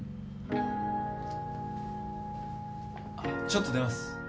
ちょっと出ます